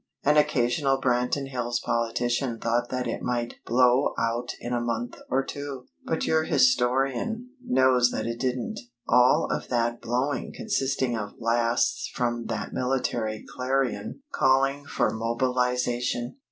An occasional Branton Hills politician thought that it "might blow out in a month or two;" but your Historian knows that it didn't; all of that "blowing" consisting of blasts from that military clarion, calling for mobilization.